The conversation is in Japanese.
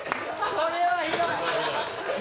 これはひどい。